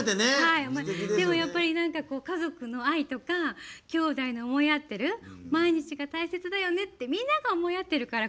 でも、やっぱり家族の愛とか兄弟の思い合ってる毎日が大切だよねってみんなが思い合ってるから